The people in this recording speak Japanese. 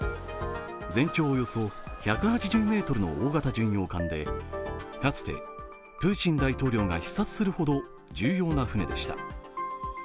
全長およそ１８０ｍの大型巡洋艦でかつて、プーチン大統領が視察するほど重要な船でした。